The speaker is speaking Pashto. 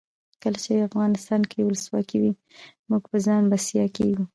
کله چې افغانستان کې ولسواکي وي موږ په ځان بسیا کیږو.